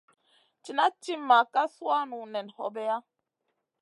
Cina timma ka suanu nen hobeya.